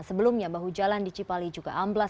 sebelumnya bahu jalan di cipali juga amblas